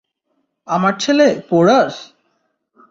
আমার ছেলে, পোরাস!